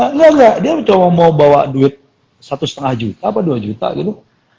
enggak enggak dia cuma mau bawa duit satu lima juta apa dua juta gitu